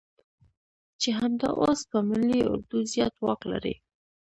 چې همدا اوس په ملي اردو زيات واک لري.